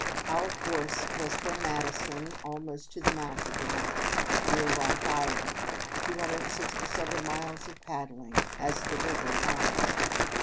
Our course was from Madison almost to the mouth of the Rock, near Rock Island, 267 miles of paddling, as the river winds.